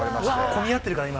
混み合ってるから、今。